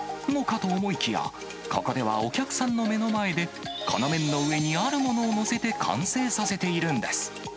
のかと思いきや、ここではお客さんの目の前で、この麺の上にあるものを載せて完成させているんです。